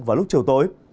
vào lúc chiều tối